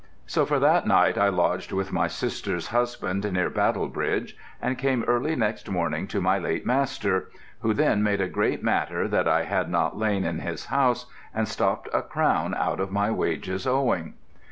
So for that night I lodged with my sister's husband near Battle Bridge and came early next morning to my late master, who then made a great matter that I had not lain in his house and stopped a crown out of my wages owing.